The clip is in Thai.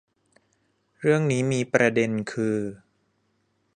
เรื่องนี้มีประเด็นคือ